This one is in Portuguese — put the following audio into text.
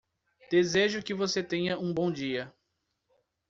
Desejo que você tenha um bom dia.